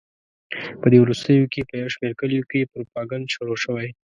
په دې وروستیو کې په یو شمېر کلیو کې پروپاګند شروع شوی.